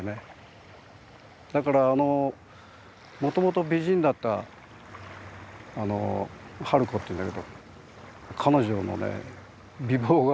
だからもともと美人だったあの春子っていうんだけど彼女のね美貌がね